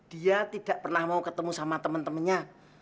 dia tidak pernah mau ketemu sama temen temennya